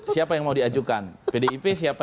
siapa yang mau diajukan pdip siapa